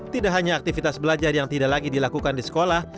tidak hanya aktivitas belajar yang tidak lagi dilakukan di sekolah